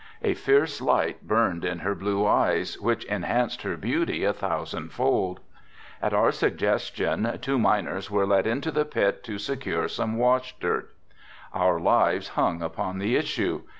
A fierce light burned in her blue eyes which enhanced her beauty a thousand fold. At our suggestion two miners were let into the pit to secure some wash dirt. Our lives hung upon the issue.